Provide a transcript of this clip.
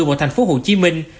vào thành phố hồ chí minh